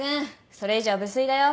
それ以上は無粋だよ